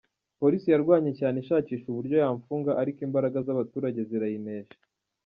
Polisi yarwanye cyane ishakisha uburyo yamfunga ariko imbaraga z’abaturage zirayinesha.